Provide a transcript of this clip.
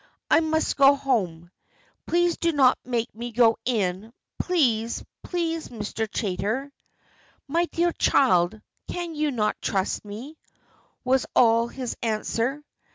"I must go home. Please do not make me go in; please please, Mr. Chaytor." "My dear child, can you not trust me?" was all his answer.